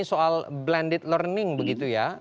soal blended learning begitu ya